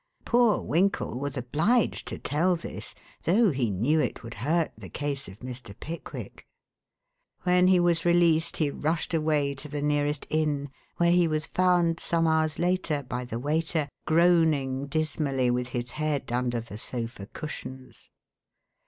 Poor Winkle was obliged to tell this, though he knew it would hurt the case of Mr. Pickwick. When he was released he rushed away to the nearest inn, where he was found some hours later by the waiter, groaning dismally with his head under the sofa cushions.